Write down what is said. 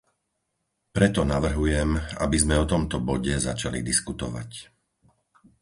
Preto navrhujem, aby sme o tomto bode začali diskutovať.